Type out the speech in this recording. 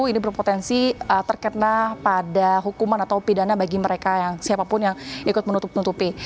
ini berpotensi terkena pada hukuman atau pidana bagi mereka yang siapapun yang ikut menutupi